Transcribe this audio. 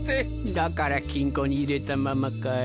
だから金庫に入れたままかい？